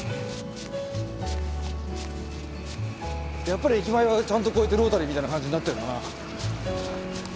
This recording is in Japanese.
やっぱり駅前はちゃんとこうやってロータリーみたいな感じになってるんだな。